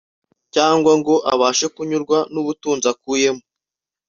cyangwa ngo abashe kunyurwa n’ubutunzi akuyemo